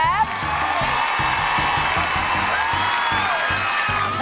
ต้อนรับคุณอ๊อฟแอ